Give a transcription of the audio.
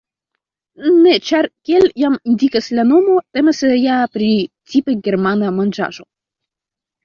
Ne, ĉar kiel jam indikas la nomo, temas ja pri tipe germana manĝaĵo.